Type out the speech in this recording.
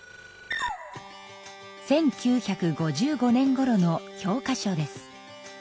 １９５５年ごろの教科書です。